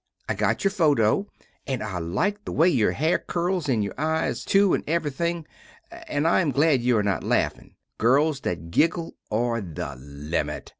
I got your photo and I like the way your hare curls and your eyes two and everythin, and I am glad you are not laffin. Girls that giggle are the limit.